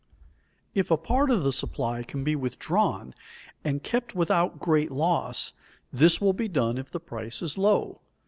If a part of the supply can be withdrawn and kept without great loss, this will be done if the price is low.